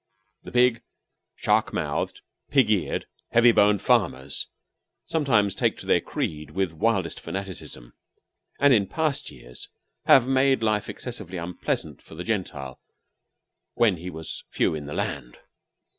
The big, shark mouthed, pig eared, heavy boned farmers sometimes take to their creed with wildest fanaticism, and in past years have made life excessively unpleasant for the Gentile when he was few in the land.